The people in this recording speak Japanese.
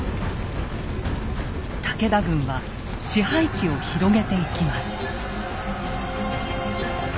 武田軍は支配地を広げていきます。